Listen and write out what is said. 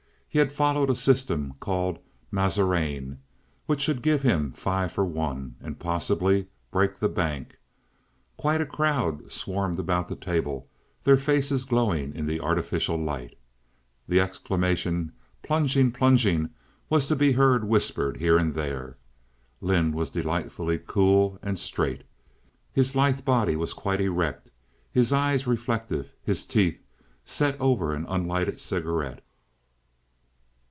He had followed a system called Mazarin, which should give him five for one, and possibly break the bank. Quite a crowd swarmed about the table, their faces glowing in the artificial light. The exclamation "plunging!" "plunging!" was to be heard whispered here and there. Lynde was delightfully cool and straight. His lithe body was quite erect, his eyes reflective, his teeth set over an unlighted cigarette.